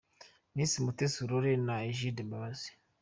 Miss Mutesi Aurore na Egide Mbabazi.